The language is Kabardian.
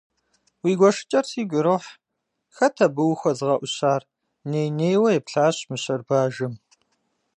Уи гуэшыкӏэр сигу ирохь, хэт абы ухуэзыгъэӏущар? - ней-нейуэ еплъащ мыщэр бажэм.